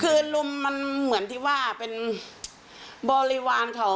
คือลุมมันเหมือนที่ว่าเป็นบริวารเขา